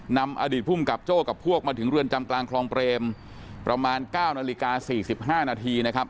นำอดีตภูมิกับโจ้กับพวกมาถึงเรือนจำกลางคลองเปรมประมาณ๙นาฬิกา๔๕นาทีนะครับ